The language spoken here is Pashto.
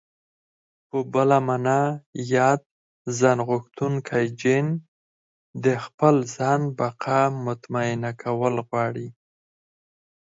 په بله مانا ياد ځانغوښتونکی جېن د خپل ځان بقا مطمينه کول غواړي.